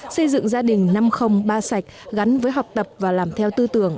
xây dựng gia đình năm trăm linh ba sạch gắn với học tập và làm theo tư tưởng